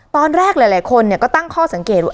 ตอนแรกหลายคนก็ตั้งข้อสังเกตว่า